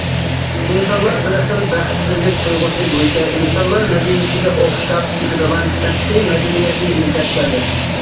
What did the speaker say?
ئىنسانلار بىر خىل بەختسىزلىك تۇيغۇسى بويىچە ئىنسانلار مەدەنىيىتىگە ئوخشاپ كېتىدىغان سىرتقى مەدەنىيەتنى ئىزدەپ كەلدى.